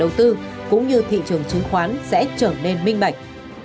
nhà đầu tư cũng như thị trường chứng khoán sẽ trở nên minh mạnh